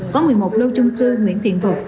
có một mươi một lô chung cư nguyễn thiện thuật